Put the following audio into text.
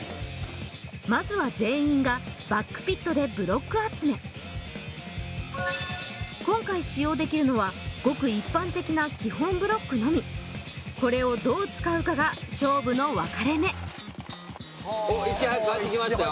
まずは全員がバックピットでブロック集め今回使用できるのはごく一般的な基本ブロックのみこれをどう使うかが勝負の分かれ目おっいち早く帰ってきましたよ